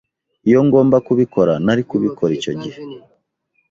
Iyo ngomba kubikora, nari kubikora icyo gihe.